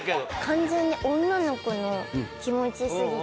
完全に女の子の気持ち過ぎて。